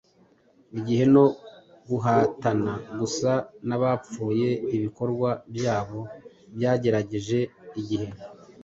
gihe no guhatana gusa n'abapfuye ibikorwa byabo byagerageje igihe. "